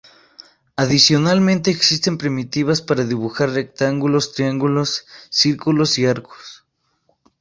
Adicionalmente existen primitivas para dibujar rectángulos, triángulos, círculos y arcos.